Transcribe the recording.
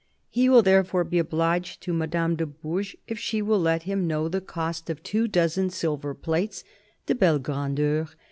He will thei efore be obliged to Madame de Bourges if she will let him know the cost of two dozen silver plates "de belle grandeur."